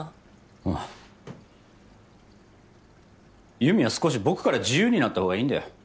優美は少し僕から自由になったほうがいいんだよ。